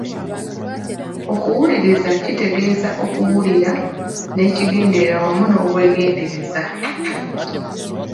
Okuwuliriza kitegeeza okuwulira n’ekigendererwa wamu n’obwegendereza.